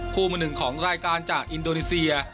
คู่มือหนึ่งของรายการจากอินโดนีเซีย